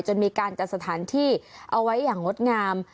จนมีการจัดสถานที่เอาไว้อย่างงดงาม